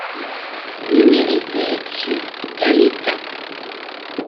Numérisé sur Gallica.